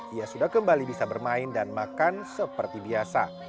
ia sudah kembali bisa bermain dan makan seperti biasa